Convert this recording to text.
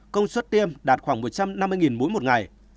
công suất tiêm đạt khoảng một trăm năm mươi mũi một ngày